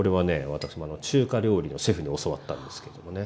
私も中華料理のシェフに教わったんですけどもね。